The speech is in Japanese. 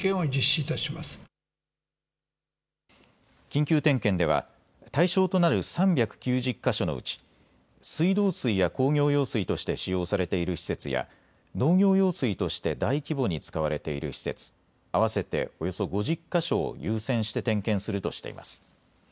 緊急点検では対象となる３９０か所のうち水道水や工業用水として使用されている施設や農業用水として大規模に使われている施設合わせておよそ５０か所を優先して点検するとしています。